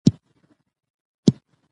شاعر د سپوږمۍ په رڼا کې د وصال خوبونه ویني.